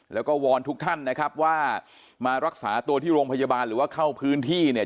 แล้วก็วอนทุกท่านนะครับว่ามารักษาตัวที่โรงพยาบาลหรือว่าเข้าพื้นที่เนี่ย